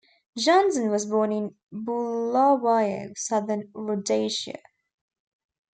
Johnson was born in Bulawayo, Southern Rhodesia.